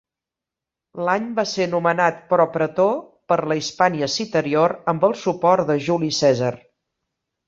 L'any va ser nomenat propretor per la Hispània Citerior, amb el suport de Juli Cèsar.